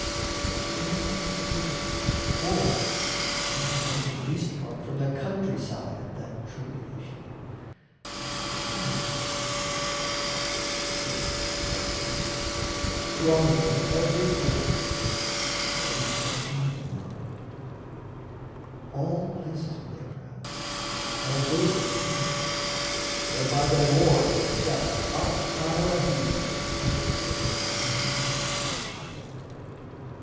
And into the city poured O not in least part from the countryside That tribulation, which the peasantry Sick, sick, brought thither, thronging from every quarter, Plague stricken mob. All places would they crowd, All buildings too; whereby the more would death Up pile a heap the folk so crammed in town.